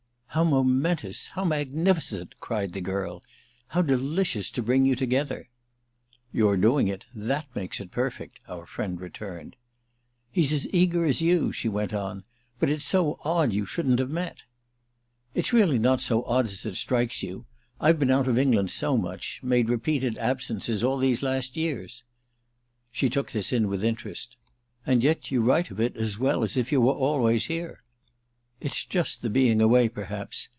"How momentous—how magnificent!" cried the girl. "How delicious to bring you together!" "Your doing it—that makes it perfect," our friend returned. "He's as eager as you," she went on. "But it's so odd you shouldn't have met." "It's not really so odd as it strikes you. I've been out of England so much—made repeated absences all these last years." She took this in with interest. "And yet you write of it as well as if you were always here." "It's just the being away perhaps.